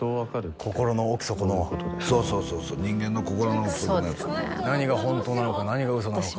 心の奥底のそうそうそうそう人間の心の奥底のやつ何が本当なのか何が嘘なのか